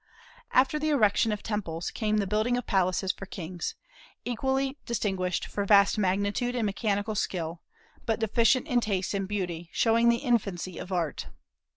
After the erection of temples came the building of palaces for kings, equally distinguished for vast magnitude and mechanical skill, but deficient in taste and beauty, showing the infancy of Art.